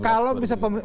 kalau bisa pemerintah